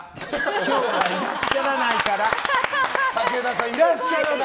今日はいらっしゃらないから！